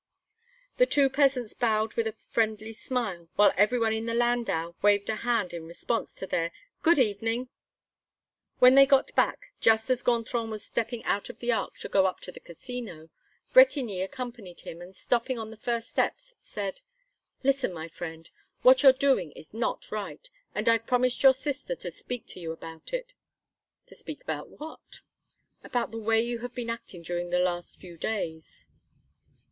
The two peasants bowed with a friendly smile, while everyone in the landau waved a hand in response to their "Good evening." When they got back, just as Gontran was stepping out of the Ark to go up to the Casino, Bretigny accompanied him, and stopping on the first steps, said: "Listen, my friend! What you're doing is not right, and I've promised your sister to speak to you about it." "To speak about what?" "About the way you have been acting during the last few days."